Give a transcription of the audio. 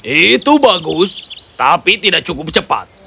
itu bagus tapi tidak cukup cepat